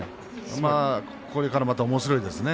これからまた、おもしろいですね。